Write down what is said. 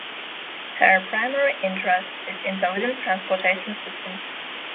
Her primary interest is intelligent transportation systems.